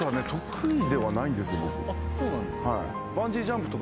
そうなんですか？